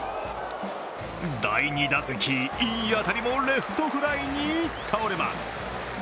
第２打席、いい当たりもレフトフライに倒れます。